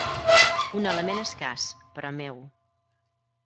Un element escàs, però meu